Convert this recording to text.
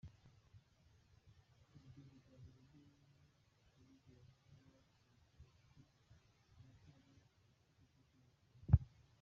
Ibyo biganiro ngo yabigiranaga n’abasirikare bakuru, umuto ari ufite ipeti rya Colonel.